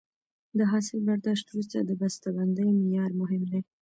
د حاصل برداشت وروسته د بسته بندۍ معیار مهم دی.